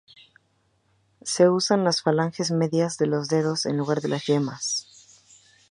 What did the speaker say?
Se usan las falanges medias de los dedos en lugar de las yemas.